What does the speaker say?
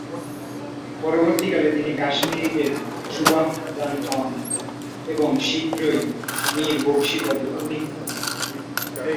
পরবর্তীকালে তিনি কাশ্মীরের সুবাহদার হন এবং শীঘ্রই মীর বখশী পদে উন্নীত হন।